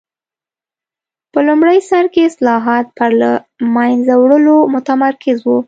په لومړي سر کې اصلاحات پر له منځه وړلو متمرکز و.